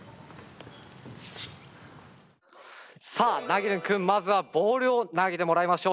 さあナゲルン君まずはボールを投げてもらいましょう。